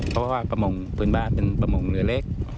เพราะที่ประมงบ้านเป็นบันพื้นบ้านเป็นประมงเหนือเล็ก